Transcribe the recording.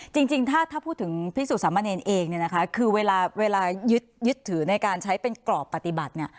จริงถ้าถ้าพูดถึงภิกษุสามเมินเองเนี่ยนะคะคือเวลายึดถือในการที่เป็นกรอบปฏิบัตินี้